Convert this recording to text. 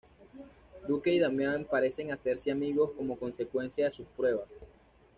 Duke y Damian parecen hacerse amigos como consecuencia de sus pruebas.